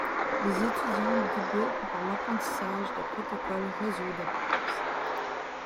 Les étudiants débutent par l'apprentissage des protocoles réseaux de base.